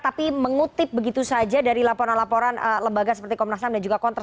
tapi mengutip begitu saja dari laporan laporan lembaga seperti komnasam dan juga kontras